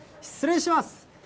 失礼します。